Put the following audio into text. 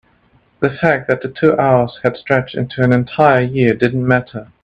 the fact that the two hours had stretched into an entire year didn't matter.